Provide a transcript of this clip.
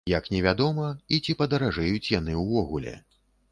Як невядома, і ці падаражэюць яны ўвогуле.